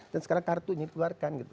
dan sekarang kartunya dikeluarkan gitu